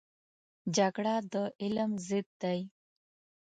جګړه د علم ضد دی